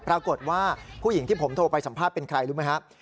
ปรากฏว่าผู้หญิงที่ผมโทรไปสัมภาษณ์เป็นใครรู้ไหมครับ